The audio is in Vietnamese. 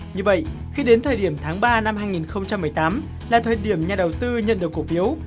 như vậy khi đến thời điểm tháng ba năm hai nghìn một mươi tám là thời điểm nhà đầu tư nhận được cổ phiếu